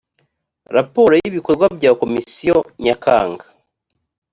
raporo y ibikorwa bya komisiyo nyakanga